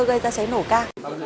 gây ra cháy nổ ca